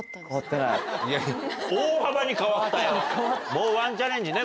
もうワンチャレンジね